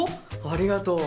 ありがとう。